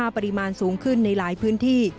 ปริมาณสูงขึ้นในหลายพื้นที่